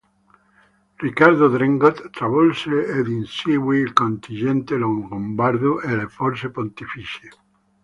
Riccardo Drengot travolse ed inseguì il contingente longobardo e le forze pontificie.